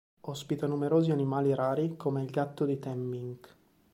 Ospita numerosi animali rari come il gatto di Temminck.